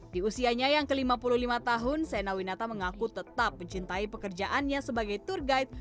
di usianya yang ke lima puluh lima tahun sena winata mengaku tetap mencintai pekerjaannya sebagai tour guide